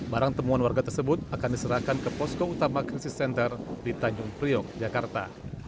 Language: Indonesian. barang temuan warga tersebut akan diserahkan ke posko utama krisis center di tanjung priok jakarta